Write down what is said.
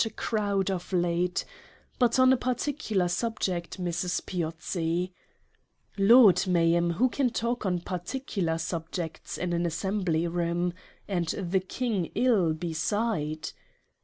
So a crowd of late : c but on a particular Subject, Mrs. Piozzi :'' Lord Ma'am who can talk on particular Subjects in an Assembly Room ? And the King ill beside